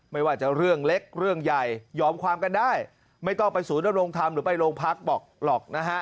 ไม่ว่าจะเรื่องเล็กเรื่องใหญ่ยอมความกันได้ไม่ต้องไปศูนยำรงธรรมหรือไปโรงพักบอกหรอกนะฮะ